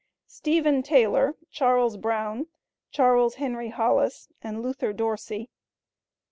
Stephen Taylor, Charles Brown, Charles Henry Hollis, and Luther Dorsey.